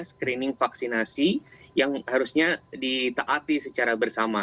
screening vaksinasi yang harusnya ditaati secara bersama